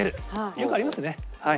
よくありますねはい。